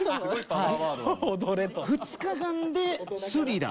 はい。